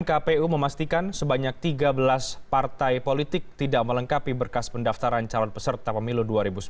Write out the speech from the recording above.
kpu memastikan sebanyak tiga belas partai politik tidak melengkapi berkas pendaftaran calon peserta pemilu dua ribu sembilan belas